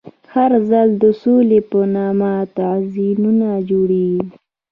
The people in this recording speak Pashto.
هر ځل د سولې په نامه تعویضونه جوړېږي.